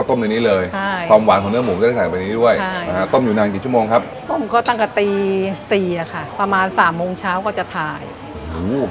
ต้มในนี้เลยความหวานของเนื้อหมูจะได้ใส่ไปนี้ด้วยต้มอยู่นานกี่ชั่วโมงครับผมก็ตั้งแต่ตี๔ค่ะประมาณ๓โมงเช้าก็จะถ่าย๔ชั่วโมงเลยนะค่ะ